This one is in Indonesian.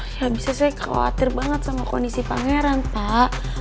ya bisa saya khawatir banget sama kondisi pangeran pak